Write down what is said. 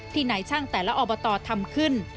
ที่หน่ายช่างแต่ละออบตทำขึ้น